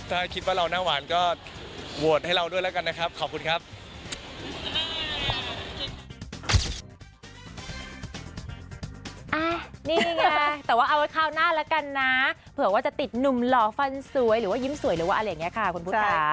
ถ้าคิดว่าเราหน้าหวานก็โหวตให้เราด้วยแล้วกันนะครับขอบคุณครับ